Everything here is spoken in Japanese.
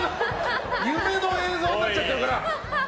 夢の映像になっちゃってるから！